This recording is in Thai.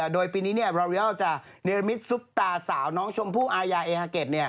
โดยปีนี้เราเรียลจะเนรมิตซุปตาสาวน้องชมพู่อายาเอฮาเก็ต